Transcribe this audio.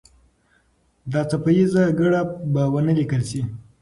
دا څپه ایزه ګړه به ونه لیکل سي.